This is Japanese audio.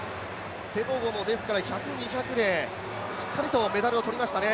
テボゴも１００、２００でしっかりとメダルを取りましたね。